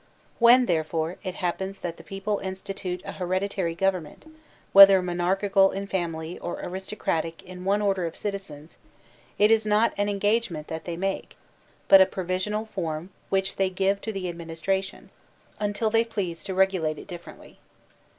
When, therefore, it happens that the people institute a hereditary government, whether monarchical in a fam ily or aristocratic in one order of citizens, it is not an engagement that they make, but a provisional form which they give to the administration, until they please to reg idate it differently.